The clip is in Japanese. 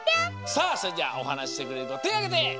さあそれじゃあおはなししてくれるこてあげて！